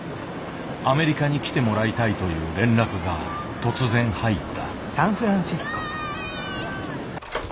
アメリカに来てもらいたいという連絡が突然入った。